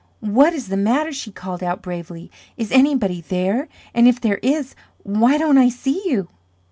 "What is the matter?" she called out bravely. "Is anybody there? and if there is, why don't I see you?"